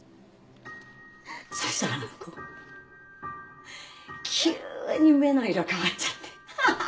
そしたらあの子急に目の色変わっちゃって。